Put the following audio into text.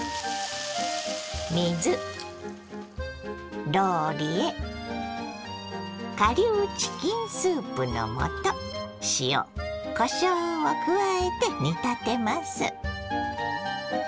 水ローリエ顆粒チキンスープの素塩こしょうを加えて煮立てます。